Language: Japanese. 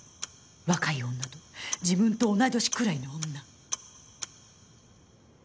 若い女と自分と同い年くらいの女。